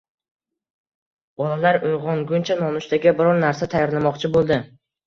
Bolalar uyg`onguncha nonushtaga biror narsa tayyorlamoqchi bo`ldi